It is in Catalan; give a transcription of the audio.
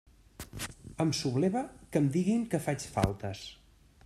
Em subleva que em diguin que faig faltes.